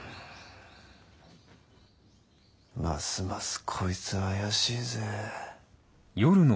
ますますこいつは怪しいぜ。